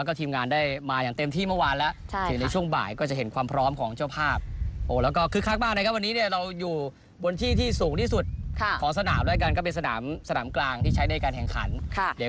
ค่ะแต่ว่าความพร้อมของเจ้าภาพใช่ยังไงบ้างตอนนี้